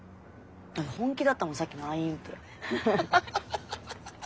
本気だったもんさっきのアイーンって。